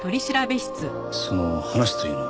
その話というのは？